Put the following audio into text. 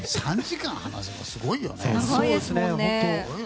３時間話すのはすごいよね。